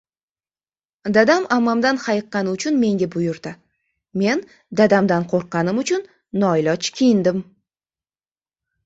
Dadam ammamdan hayiqqani uchun menga buyurdi, men dadamdan qo‘rqqanim uchun noiloj kiyindim.